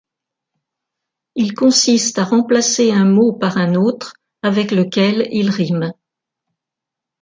Il consiste à remplacer un mot par un autre, avec lequel il rime.